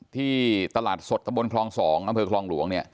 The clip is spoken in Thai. ที่ตลาดสดตะบนคลอง๒อำเภอคลองหลวง